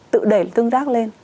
tự đẩy tương tác lên